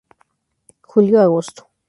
Jul- Agosto.